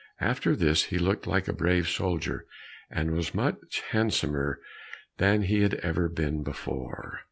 After this, he looked like a brave soldier, and was much handsomer than he had ever been before.